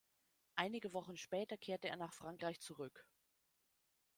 Einige Wochen später kehrte er nach Frankreich zurück.